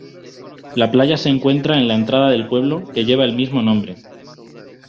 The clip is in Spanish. La playa se encuentra en la entrada del pueblo que lleva el mismo nombre.